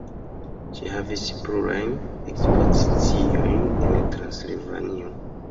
Ŝi havis plurajn ekspoziciojn en Transilvanio.